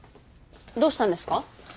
どうしたんですか？